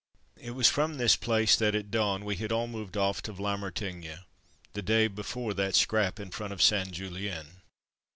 It was from this place that, at dawn, we had all moved off to Vlamerlinghe, the day before that scrap in front of St. Julien.